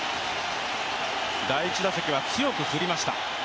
第１打席は強く振りました